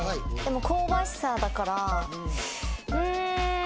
香ばしさだからうーん！